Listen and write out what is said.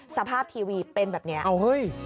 สภาพทีวีเป็นแบบนี้